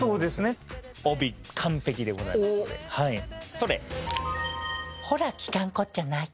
それ！